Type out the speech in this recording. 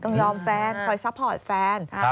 ยอมแฟนคอยซัพพอร์ตแฟน